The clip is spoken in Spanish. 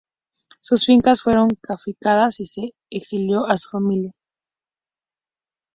Sus fincas fueron confiscadas y se exilió a su familia.